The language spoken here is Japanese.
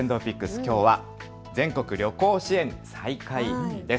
きょうは全国旅行支援再開です。